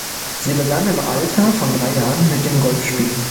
Sie begann im Alter von drei Jahren mit dem Golfspiel.